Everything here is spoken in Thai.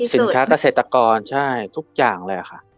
สินค้ากาเศรษฐกรใช่ทุกอย่างเลยอ่ะคะ